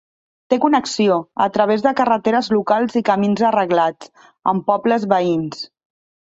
Té connexió, a través de carreteres locals i camins arreglats, amb pobles veïns.